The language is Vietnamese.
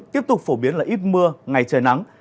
tiếp tục phổ biến là ít mưa ngày trời nắng